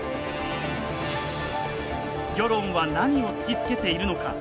世論は何を突きつけているのか。